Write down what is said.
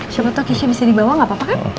siapa tau keisha bisa dibawa gapapa kan